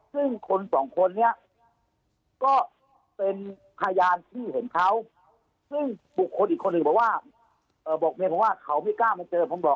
ซึ่งคนสองคนเนี่ยก็เป็นพยานที่เห็นเขาซึ่งบุคคลอีกคนอื่นบอกว่าเขาไม่กล้ามาเจอ